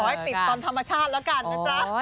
ให้ติดตามธรรมชาติแล้วกันนะจ๊ะ